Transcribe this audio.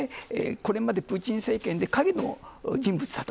これまでプーチン政権で影の人物だった。